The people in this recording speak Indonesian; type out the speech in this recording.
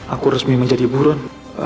aku resmi menjadi buron